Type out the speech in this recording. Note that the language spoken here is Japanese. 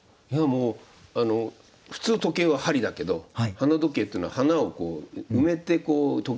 いやもう普通時計は針だけど花時計っていうのは花を埋めてこう。